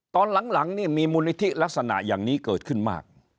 ตอนหลังนี่มีมูลนิธิลักษณะอย่างนี้เกิดขึ้นมาก